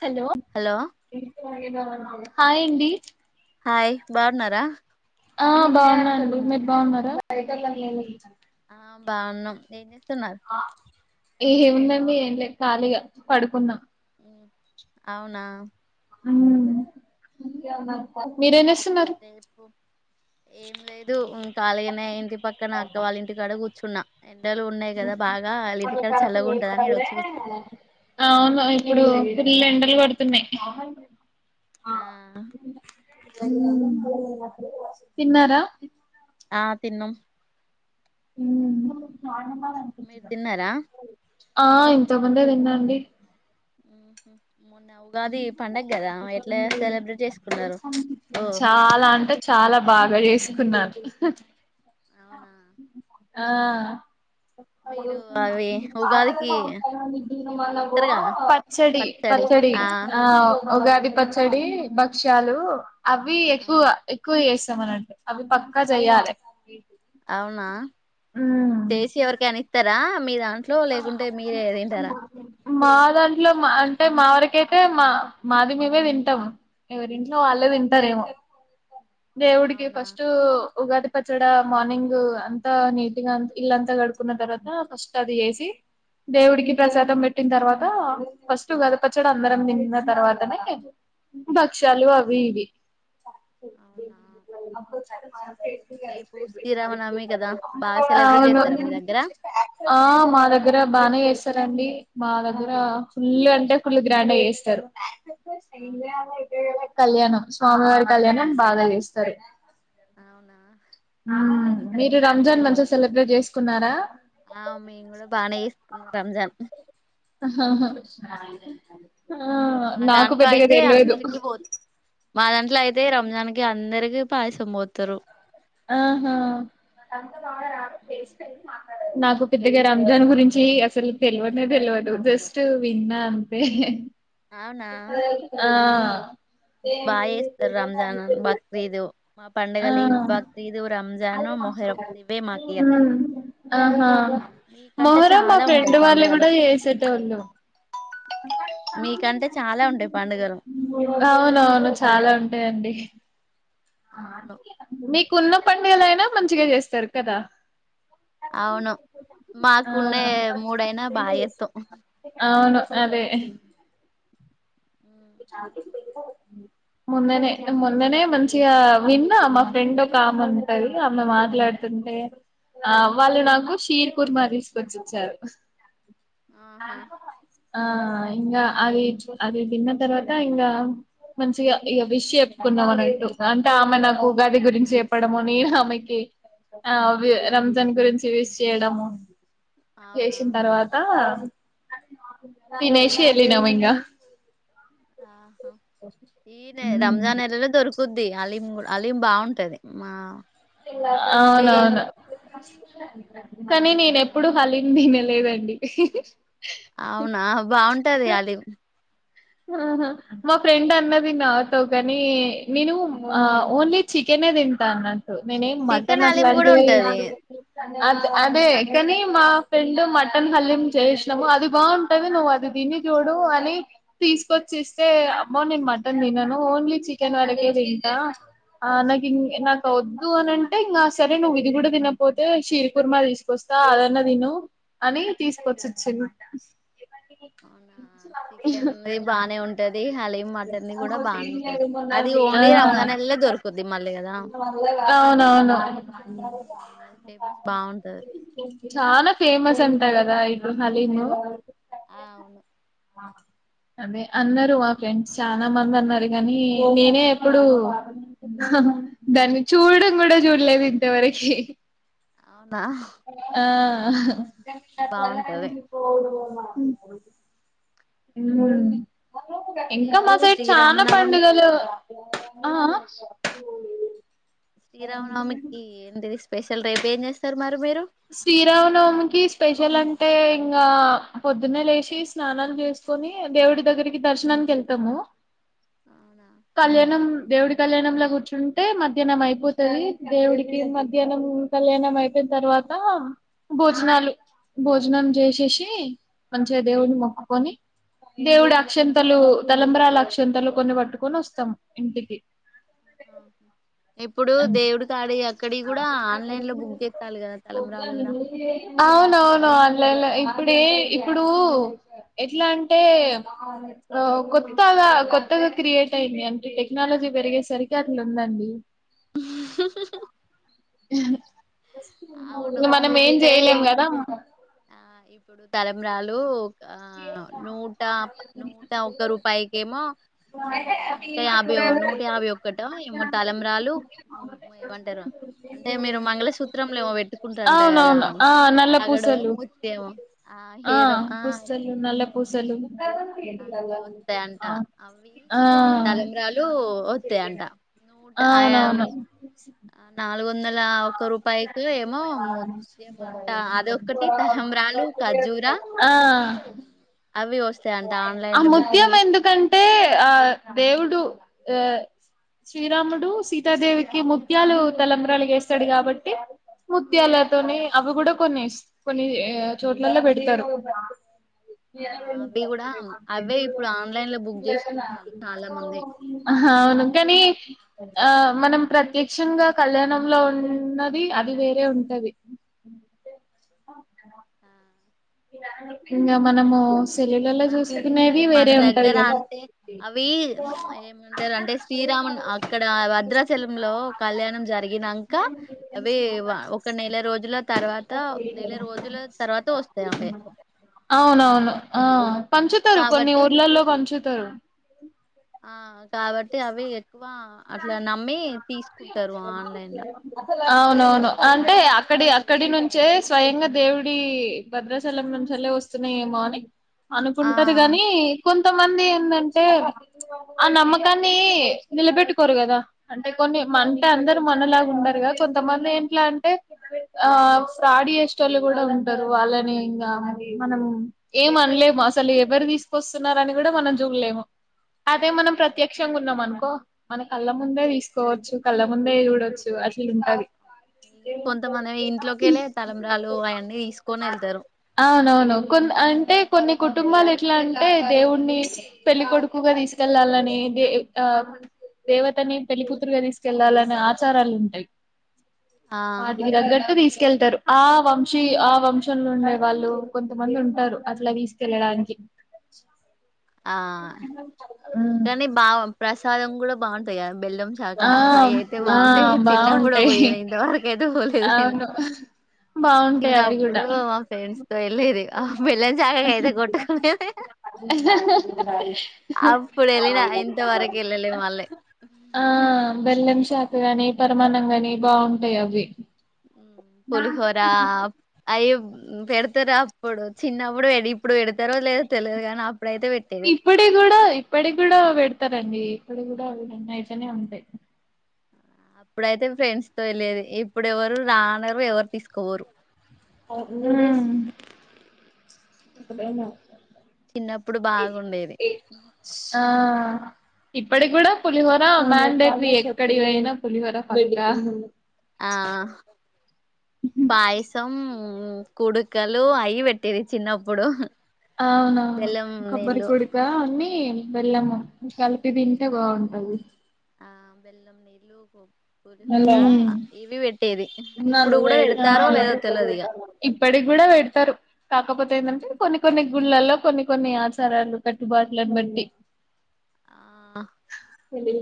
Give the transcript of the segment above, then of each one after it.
hello hello hi అండి hi బాగున్నారా ఆ బాగున్నాఅండి మీరు బాగున్నార ఆ బాగున్నాం ఏం చేస్తున్నారు ఏముందండి ఏం లే ఖాళీగా పడుకున్న అవునా మ్మ్మ్ రేపు ఏం లేదు మ్మ్ కాలి గానే ఇంటి పక్కన అక్క వాళ్ళ ఇంటికాడ కూర్చున్నా ఎండలు ఉన్నాయి కదా బాగా వాళ్ళ వాళ్ళు ఇంటికాడ కారపూస చల్లగా ఉంటదని ఈడ చెత్తంటే వచ్చి కూర్చున్నా అవును ఇప్పుడు ఫుల్ ఎండలు కొడుతున్నాయి మ్మ్ తిన్నారా ఆ తిన్నం మ్మ్ మీరు తిన్నారా ఆ ఇంతకముందే తిన్నా అండి హ్మ్ హు సెలబ్రేట్ చేసుకున్నారు ఓ చాలా అంటే చాలా బాగా ఏసుకున్నారు ఆ ఆ అవి ఉగాదికి ఏమో చేస్తారుగా పచ్చడి పచ్చడి ఆవ్ ఉగాది పచ్చడి భక్ష్యాలు అవి ఆ, ఎక్కువగా ఎక్కువ చేస్ త్తం [unintelligible] అవి పక్కా చెయాలి అవునా చేసి ఎవరికైనా ఇత్తార మీ దాంట్లో లేకుంటే మీరే తింటారా మా దాంట్లో మా అంటే మా వరకయితే మా మాది మేమే తింటాం ఎవరింట్లో వాళ్ళే అవునా తింటారేమో దేవుడికి అవునా ఫస్ట్ ఉగాది పచ్చడా మార్నింగ్ అంతా నీటిగా ఇళ్లు అంత గడుకున్న తర్వాత ఫస్ట్ అది ఏసి కి దేవుడికి ఉమ్, ప్రసాదం పెట్టి ట్టిన తర్వాత ఫస్ట్ గద పచ్చడి అందరం తిన్న తర్వాతనే బక్షాలు అవి ఇవి అవునా రేపు శ్రీరామనవమి కదా బాగా సెలబ్రేట్ అవును చేత్తరా మీ దగ్గర ఆ మా దగ్ దగ్గర బానే చేస్తారండి మా దగ్గర ఫుల్ గంటే ఫుల్ గ్రాండ్ గా చేస్తారు అవునా కళ్యాణం స్వామివారి కళ్యాణం బాగా చేస్తారు అవునా మీరు రంజాన్ మంచిగా సెలబ్రేట్ చేసుకున్నారా ఆ మేమ్ కూడా బానేచేసుకున్నాము రంజాను ఉహహా మా దాంట్లో అయితే అందరికి పో [inaudible] మా దాంట్లో అయితే రంజాన్ కి అందరికి కి పాయసం పొత్తరు ఆహా ఉమ్, నాకు పెద్దగా రంజాన్ గురించి అసలు తేల్వనే తెల్వదు జస్ట్ విన్నా అంతే ఆ బాచేస్తారు రంజాన్ బక్రీదు మా ఆ పండగలు ఈ వి బక్రీద్ రంజాను మొహరం ఇవే మాకి ఇగ ఉమ్ ఆహా మొహరం మా చాలా ఫ్రెండ్ ఉంటాయి వాళ్ళు కూడా చేసేటోళ్ళు మీ కంటే అవున అవును చాలా ఉంటాయండి అవును మీకున్న పండగలయినా మంచిగా చేస్తారు కదా అవును మాకున్నే మూడైన బా చెత్తాం ఆ అవును అదే ఇ ఛాన్స్ ఇటు ఇవ్వు మొన్ననే మొన్ననే మంచిగా విన్నా మా ఫ్రెండ్ ఒక ఆమె ఉంటది ఆమె మాట్లాడుత అంటే ఆ వాళ్ళు నాకు షీర్ కుర్మా తీసుకొచ్చి ఇచ్చారు ఆహా ఆ ఇంకా అవి అవి తిన్న తరువాత ఇంకా మంచిగా ఇక విష్ చెప్పుకున్నాం అనట్టు అంటే ఆమె నాకు ఉగాది గురించి చెప్పడము నేను ఆమెకి ఆ అవి రంజాన్ గురించి విష్ చేయడము అవునా చేసిన తరువాత తినేసి వెళ్లినం ఇంగా ఆహా ఈనే రంజాన్ నెలలో దొరుకు కుద్ది అలీం కూడ అలీం బాగుంటది మా ఓన్లీ అవునవును కానీ నేను ఎప్పుడు హాలీ నేను తినలేదు అండి అవునా బాగుంటది ఆలీమ్ ఆహ మా ఫ్రెండ్ అన్నది నాతో కాని నేను ఆ ఓన్లీ చికెన్ నే తింటా అన్నట్టు నేను ఏం మటన్ చికెన్ అలీం కూడా అట్లాంటివి ఉంటది అద్ అదే కాని మా ఫ్రెండ్ మటన్ హాలీమ్ చేసినాము అది బాగుంటది నువ్వు అది తి తిన్ని జుడో అని తీసుకొచ్చి ఇస్తే ఆమ్మో నేను మటన్ తినను ఓన్లీ చికెన్ వరకే తింటా ఆ నా కింగ్ నాకు వద్దు అని అంటే ఇంకా సరే నువ్వు ఇది కూడా తినపోతే షీర్ కుర్మా తీసుకొస్తా త అది అన్నా తిను అని తీసుకొచ్చొ ఇచ్చిండు ఆ [unintelligible] [unintelligible] అది బాగానే ఉంటది హ ఆ ఓన్లీ రంజాన్ నెలలో దొరుకుద్ది మళ్ళీ కదా అవును నవును ఉమ్, అది ఫేమస్ బాగుంటది చానా ఫేమస్ చెంట గదా ఇడు హలీమో ఆ అవును అ ఆమె అందరు అ ఫ్రెండ్స్ చాలా మంది అన్నారు కాని నినే ఎప్పుడు హా దాన్ని చూడడం కూడా చూడలేదు ఇంతవరకి ఆ ఆహ గాన్ ఆ పొలాగానికి ఇయ్ పోను మా హ్మ్ ఇంకా రేపు మా సైడ్ చాలా శ్రీరామనవమి పండుగలు ఆ అ శ్రీరామనవమికి ఏంటిది స్పెషల్ రేపు ఏం చేస్తారు మరి మీరు శ్రీరామనవమికి స్పెషల్ అం అంటే ఇంకా పొద్దున్నే లేచి స్నానాలు చేసుకొని దేవుడి దగ్గరికి దర్శనానికి వెళ్తాము అవునా కళ్యాణం దేవుడి కళ్యాణంలా కూర్చుంటే మధ్యాహ్నం అయిపోతది దేవుడికి మధ్యాహ్నం తుమ్ కళ్యాణం అయిపోయిన తరువాత భోజనాలు భోజనం చేసేసి మంచిగా దేవుని మొక్కుకొని దేవుడి అక్షంతలు తలంబరాల అక్షంతలు కొన్ని పట్టుకొని వస్తాం ఇంటికి ఇప్పుడు అంతే దేవుడి కాడి ఈ అక్కడి ఈ కూడా ఆన్లైన్ లో బుక్ చేస్తాలు కదా తలంబ్రాలు కూడా అవునవును ఆన్లైన్ లో ఇప్పుడే ఇప్పుడు ఎట్లా అంటే కొత్తగా కొత్తగా క్రియేట్ టైయింది అంటే టెక్నాలజీ పెరిగేసరికి అట్లు ఉంది అండి [inaudible] అవును ఇగ మనం ఏం అంటే చేయలేం కదా ఆ ఇప్పుడు తలంబ్రాలు ఆ నూట నూట ఒక్క రూపాయికేమో నూట యాభై నూట యాభై ఒక్కట మో తలబరాలు ఏమంటారు అంటే మీరు మంగళసూత్రంలో మో పెట్టుకుంటంటా కదా అవునవును ఆ నల్ల తాగడం పూసలు ముతేమో ఆ హేద పుస్తలు నల్ల పూసలు అవి వస్తాయంట ఆ అవి ఆ తలంబ్రాలు వస్తాయంట ఆయా నూ అవునవును నాలుగు వందల ఒక రూపాయికి ఏమో ముత్య అంట అదోక్కటి తలంబ్రాలు కజజు ఆ అవి వస్తే అండి ఆ ముత్యం ఎందుకంటే ఆ దేవుడు ఆ శ్రీరాముడు సీతా దేవికి ముత్యాలు తలంబ్రాలుగా స్తాడు కాబట్టి ఆ ముత్యాలతోనీ అవి కూడా కొన్ని కొన్ని చోట్లల్లో పెడతారు [inaudible] ఆ అవి కూడా అవే ఇప్పుడు ఆన్లైన్ లో బుక్ చేసుకుంటారు చాలా మంది అ అవును కానీ ఆ మనం ప్రత్యక్షంగా కళ్యాణం లో ఉన్నది అది వేరే ఉంటది ఆ ఇంకా మనము సెల్లులలో అంటే చూసుకునేది మన వేరే ఉంటది దగ్గర కదా అంటే అవి ఏమంటారు అంటే శ్రీరామ అక్కడ వద్రాచలాంలో కళ్యాణం జరిగినక అవి ఒక నెల న రోజుల తర్వాత నెల రోజుల తర్వాత వ అవునవును పంచుతారు కొన్ని కాబట్టి ఊర్లల్లో పంచుత తరూ ఆ కాబట్టి అవి ఎక్కువ అట్లా నమ్మి తీసుకుంటారు ఆన్లైన్ లో అవునవును అంటే అక్కడి అక్కడి నుంచే స్వయంగా దేవుడి భద్రాచలం నుంచి చలే వస్తున్నాయేమో అని ఆ అనుకుంటారు గాని కొంతమంది ఏంటంటే ఆ నమ్మకాన్ని నిలబెట్టుకు రు కదా అంటే కొన్ని మంటే అందరు మనలాగా ఉండారు కద కొంతమంది ఏట్లా అంటే ప్రాడీ చేసేటోళ్ళు కూడా ఉంటారు వాళ్ళని ఇంకా మనం ఏం అనలేము అసలు ఎవరు తీసుకొస్తున్నార అని కూడా మనం చూడలేము అదే మనం ప్రత్యక్షంగా ఉన్నాం అనుకో మన కళ్ళ ముందే తీసుకోవచ్చు కళ్ళ ముందే చూడొచ్చు అట్ ఉంటది ఇక కొంతమంది ఇంట్లోకి వెళ్ళ తలంబ్రాలు అవన్నీ తీసుకొని వెళ్తారు వును కొ అంటే కొన్ని కుటుంబాలు ఎట్లా అంటే దేవుడిని పెళ్లి కొడుకుగా తీసుకెళ్లాలని దే ఆ దేవతని పెళ్లికూతురుగా తీసుకెళ్ళాలనే ఆచారాలు ఉంటాయి ఆ వాటికి తగ్గట్టు తీసుకెళ్తారు ఆ వంశీ ఆ వంశంలో ఉండే వాళ్ళు కొంతమంది ఉంటారు అట్లా తీసుకెళ్ళడానికి [inaudible] ఆ ఉమ్ కానీ బా ప్రసాదం కూడా బాగుంటాయి కా బెల్లం శాకా ఆ అవి అయితే ఆ బాగుంటాయి చిన్నప్పుడు బావుంటాయి పోయను ఇంతవరకుయితే పోలేదు నేను అవును బావుంటాయి అవి కూడా చిన్నప్పుడు మా ఫ్రెండ్స్ వెళ్లేది అహ్ బెళ్ళం జాక కయితే కొట్టకునేది అహ్ ఇంతవరకు వెళ్ళలే మళ్ళీ ఆ బెల్లం శాఖ గనీ పరమాన్నం గనీ బాగుంటయి అవి పులిహోరా అయి పెడతరాప్పుడు చిన్నప్పుడు పెడి ఇప్పుడు పెడు తరోలేదో తెలియదు కానీ అప్పుడైతే పెట్టేది ఇప్పటి కూడా ఇప్పటి కూడా పెడతరండి ఇక్కడి కూడా నయితేనే ఉంటాయి అప్పుడైతే ఫ్రెండ్స్ తో ఎళ్లేది ఇప్పుడెవరు రా అనరు ఎవరు తీసుకపోరు హ్మ్ చిన్నప్పుడు బాగుండేది ఆ ఇప్పటి కూడా పులిహోర మ్యాండేట్రీ ఎక్కడి పొయినా పులిహోర పక్కా ఆ పాయసం కుడుకలు అయ్యి పెట్టేది చిన్నప్పుడు అవునువును బెల్లం కొబ్బరి నీళ్ళు కుడుకా అన్నీ ఉమ్, బెల్లము కలిపి తింటె బాగుంటది ఆ బెల్లం నీళ్ళు కో అలా పులిహోరా ఇవి పెట్టేది ఇప్పుడు ఉన్నాను కూడా వేడి పెడతారో లేదో తెలవదు ఇగ ఇప్పుడే పెడతరు కా కాకపోతే ఎందంటే కొన్ని కొన్ని గుళ్లల్లో కొన్ని కొన్ని ఆచారాలు కట్టుబాట్లను బట్టి ఆ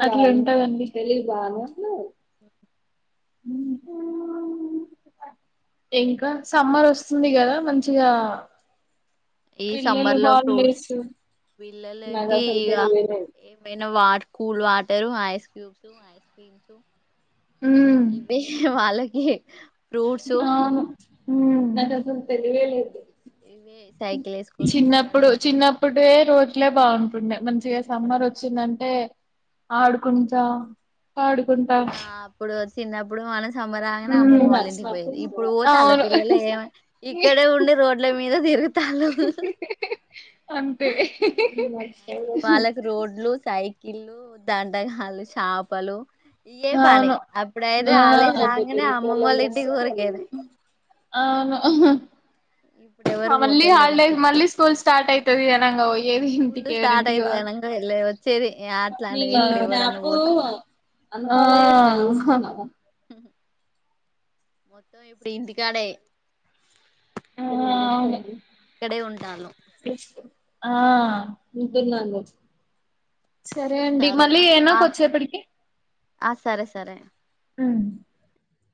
అట్లుంటదండి హ్మ్ ఇంకా బా- సమ్మర్ వస్తుంది గదా మంచిగా ఈ పిల్లలు సమ్మర్ లో ఫ్రూట్స్ హాలిడేస్ పిల్లలకి ఇగ ఏమైనా what cool water ice cubes ice creams um ఇవి వాళ్ళకి ఫ్రూట్స్ అవును హ్మ్ ఇవే సైకిల్ ఏసుకొని తిరగడం టే రోజులే బాగుంటుండే మంచిగ సమ్మర్ వచ్చిందంటే ఆడుకుంటా పాడుకుంటా ఇప్పుడు అప్పుడు సిన్నప్పుడు మనస్ సమ్మర్ రాగానే అమ్మమ్మ వాళ్ళ ఇంటికి పోయేది ఇప్పుడు పోతే వాళ్ళ అవును పిల్లలు ఇక్కడే ఉండి రోడ్ల మీద తి తిరుగుతాళ్ళు అంతే వాళ్ళకి రోడ్లు సైకిళ్ళు దంటగాళ్ళు చాపలు ఇయే బన్నాయ్ అవును అప్పుడైతే హాల్డేస్ అవును రాంగనే అమ్మమ్మొల్లింటికి ఊరికేది అవును ఇప్పుడు ఎవరు మళ్ళీ పోతలేరు హల్డేస్ అట్లా మళ్లీ స్కూల్ స్టార్ట్ అయితది గనంగా పోయి ఏమీ స్కూల్ స్టార్ట్ ఇంటికెవరింటికి అయితే వాళ్ళు గనంగా వెళ్ళ వచ్చేది అట్లాంటిది ఇప్పుడు ఎవరన్నా పోతాల్లా ఆ ఆ మొత్తం ఇప్పుడు ఇంటికాడే ఆ అవును ఇక్కడే ఉంటాను ఆ ఉంటున్నాను సరే అండి మళ్ళీ సరేనా చేయనా ఆ కోసేపటికి ఆ సరే సరే అ